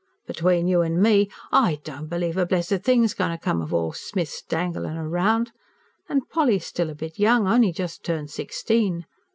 Between you an' me, I don't believe a blessed thing's goin' to come of all young Smith's danglin' round. An' Polly's still a bit young only just turned sixteen.